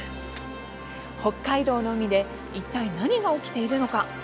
北海道の海でいったい何が起きているのか。